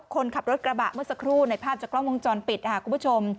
คนขับรถกระบะเมื่อสักครู่ในภาพจากกล้องวงจรปิดค่ะคุณผู้ชม